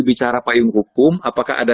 bicara payung hukum apakah ada